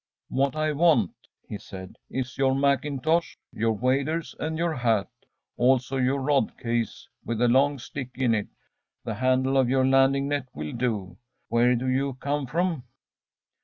“What I want,‚ÄĚ he said, “is your mackintosh, your waders, and your hat also your rod case with a long stick in it. The handle of your landing net will do. Where do you come from?